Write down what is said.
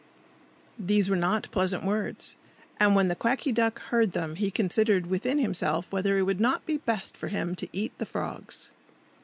These were not pleasant words. And when the Quacky Duck heard them, he considered within himself whether it would not be best for him to eat the frogs.